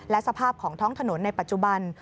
และสภาพของท้องถนนในปัจจุบัน